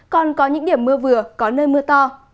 còn có những điểm mưa vừa có nơi mưa to